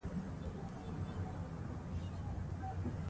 زه د کور کارونه هم په مینه کوم.